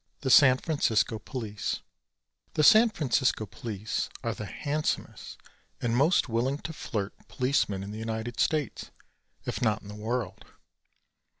The San Francisco Police The San Francisco police are the handsomest and most willing to flirt policemen in the United States, if not in the world.